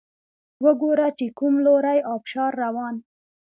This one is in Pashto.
وګوره چې کوم لوری ابشار روان